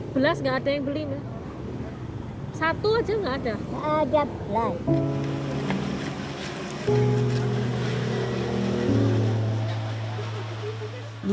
belas tidak ada yang beli